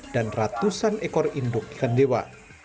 dan ratusan ekor induk ikan dewa